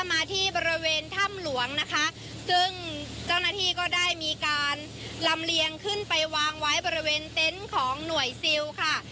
มาที่บริเวณถ้ำหลวงนะคะซึ่งเจ้าหน้าที่ก็ได้มีการลำเลียงขึ้นไปวางไว้บริเวณเต็นต์ของหน่วยซิลค่ะ